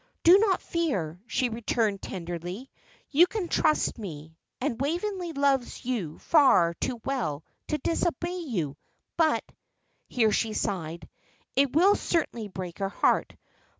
"Do not fear," she returned, tenderly. "You can trust me, and Waveney loves you far too well to disobey you; but" here she sighed "it will certainly break her heart.